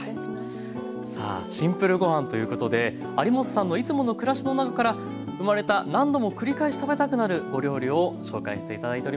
さあ「シンプルごはん」ということで有元さんのいつもの暮らしの中から生まれた何度も繰り返し食べたくなるお料理を紹介して頂いております。